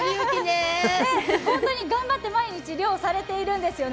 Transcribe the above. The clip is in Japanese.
本当に頑張って、毎日漁をされているんですよね